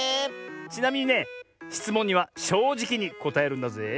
ちなみにねしつもんにはしょうじきにこたえるんだぜえ。